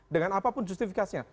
dengan apapun justifikasinya